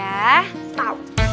itu dia bapaknya umar